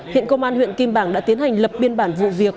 hiện công an huyện kim bảng đã tiến hành lập biên bản vụ việc